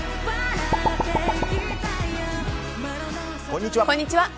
こんにちは。